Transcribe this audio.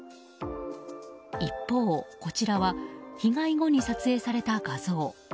一方、こちらは被害後に撮影された画像。